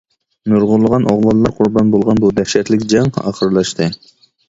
نۇرغۇنلىغان ئوغلانلار قۇربان بولغان بۇ دەھشەتلىك جەڭ ئاخىرلاشتى.